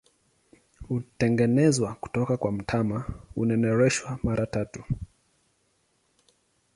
Hutengenezwa kutoka kwa mtama, hunereshwa mara tatu.